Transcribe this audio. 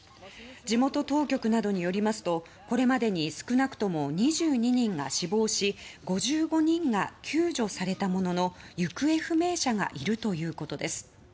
地元当局などによりますとこれまでに少なくとも２２人が死亡し５５人が救助されたものの行方不明者がいるということです。